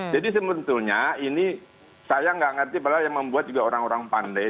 jadi sebetulnya ini saya nggak ngerti padahal yang membuat juga orang orang pandai